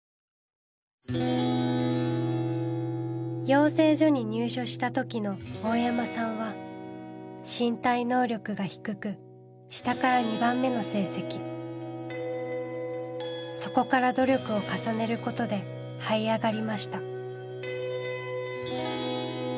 養成所に入所した時の大山さんは身体能力が低くそこから努力を重ねることではい上がりました。